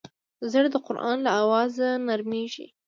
زړه د قرآن له اوازه نرمېږي.